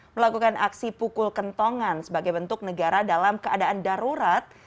melakukan aksi pukul kentongan sebagai bentuk negara dalam keadaan darurat